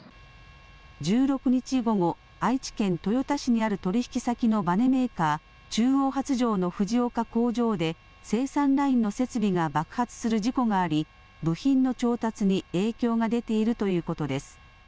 １６日午後、愛知県豊田市にある取引先のばねメーカー、中央発條の藤岡工場で生産ラインの設備が爆発する事故があり部品の調達に影響が出ているということです。